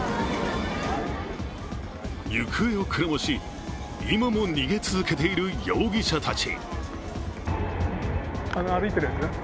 行方をくらまし、今も逃げ続けている容疑者たち。